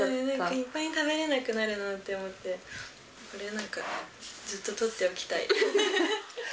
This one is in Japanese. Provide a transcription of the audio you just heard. いっぱい食べられなくなるなと思って、これなんか、ずっととっておきたい。